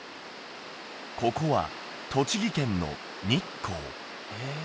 ここは栃木県の日光